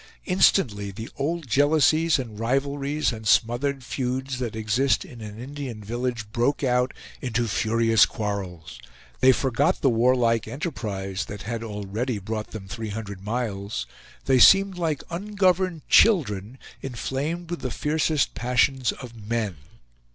Instantly the old jealousies and rivalries and smothered feuds that exist in an Indian village broke out into furious quarrels. They forgot the warlike enterprise that had already brought them three hundred miles. They seemed like ungoverned children inflamed with the fiercest passions of men.